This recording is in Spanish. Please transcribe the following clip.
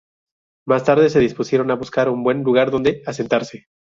Más tarde se dispusieron a buscar un buen lugar donde asentarse.